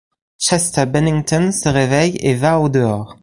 Chester Bennington se réveille et va au-dehors.